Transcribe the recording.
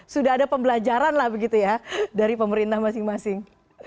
sudah ada pembelajaran lah begitu ya dari pemerintah masing masing